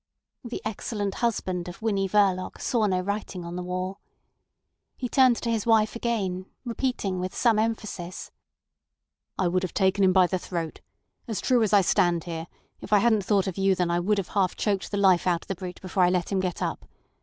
The excellent husband of Winnie Verloc saw no writing on the wall. He turned to his wife again, repeating, with some emphasis: "I would have taken him by the throat. As true as I stand here, if I hadn't thought of you then I would have half choked the life out of the brute before I let him get up.